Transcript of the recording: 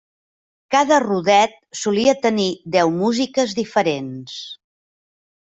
Cada rodet solia tenir deu músiques diferents.